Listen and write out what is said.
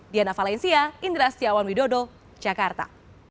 diana valencia indra setiawan widodo jakarta